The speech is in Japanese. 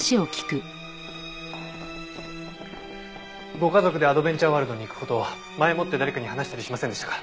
ご家族でアドベンチャーワールドに行く事を前もって誰かに話したりしませんでしたか？